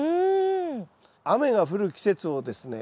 雨が降る季節をですね